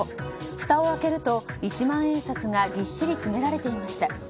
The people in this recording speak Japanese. ふたを開けると一万円札がぎっしり詰められていました。